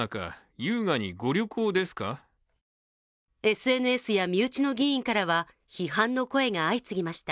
ＳＮＳや身内の議員からは批判の声が相次ぎました。